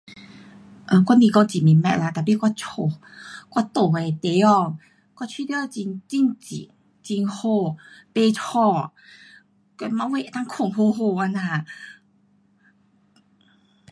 um 我不讲很明白啦，tapi 我家我住的地方我觉得很，很静，很好，不吵，跟晚上能够睡好好这样。